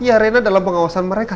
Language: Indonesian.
iya rena dalam pengawasan mereka